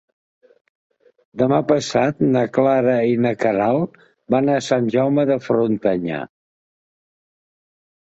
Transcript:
Demà passat na Clara i na Queralt van a Sant Jaume de Frontanyà.